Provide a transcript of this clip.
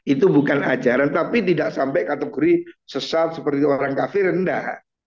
itu bukan ajaran tapi tidak sampai kategori sesat seperti orang kafe rendah